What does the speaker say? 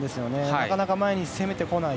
なかなか前に攻めてこない。